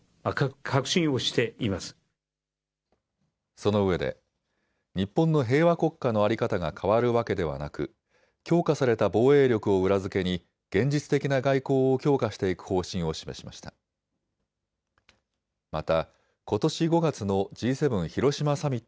そのうえで日本の平和国家の在り方が変わるわけではなく強化された防衛力を裏付けに現実的な外交を強化していく方針を示しました。